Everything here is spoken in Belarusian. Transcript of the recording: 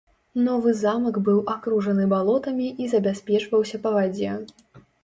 Новы замак быў акружаны балотамі і забяспечваўся па вадзе.